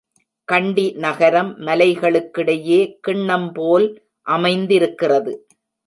கண்டி நகரம் மலைகளுக்கிடையே கிண்ணம் போல் அமைந்திருக்கிறது.